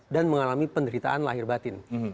dan mengalami penderitaan lahir batin